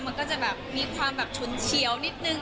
มันก็จะมีความชุนเชียวนิดหนึ่ง